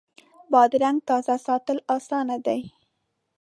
بادرنګ تازه ساتل اسانه دي.